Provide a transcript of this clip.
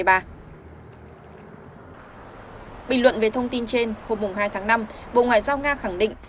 bình luận về thông tin trên hôm hai tháng năm bộ ngoại giao nga khẳng định